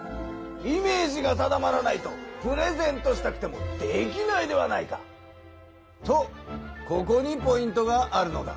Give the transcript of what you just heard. イメージが定まらないとプレゼントしたくてもできないではないか。とここにポイントがあるのだ。